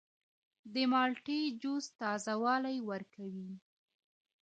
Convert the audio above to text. د مالټې جوس تازه والی ورکوي.